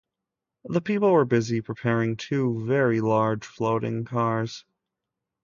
The people were busy preparing two very large floating cars.